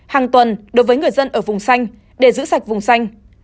hàng tuần đối với người dân ở vùng xanh để giữ sạch vùng xanh